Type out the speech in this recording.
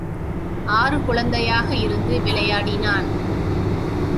ஆறு குழந்தையாக இருந்து விளையாடினான்.